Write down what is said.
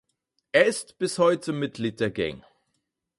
Er ist bis heute Mitglied der Gang.